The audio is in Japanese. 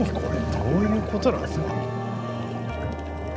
どういうことなんですか？